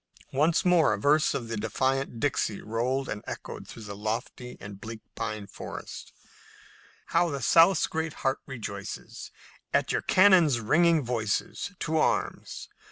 Once more a verse of the defiant Dixie rolled and echoed through the lofty and bleak pine forest: "How the South's great heart rejoices At your cannon's ringing voices; To arms!